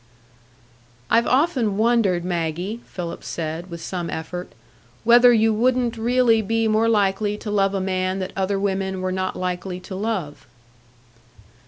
"I've often wondered, Maggie," Philip said, with some effort, "whether you wouldn't really be more likely to love a man that other women were not likely to love."